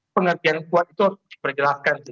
pengertian kuat itu perjelaskan